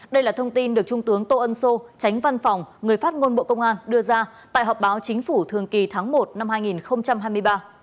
đây là thông tin được trung tướng tô ân sô tránh văn phòng người phát ngôn bộ công an đưa ra tại họp báo chính phủ thường kỳ tháng một năm hai nghìn hai mươi ba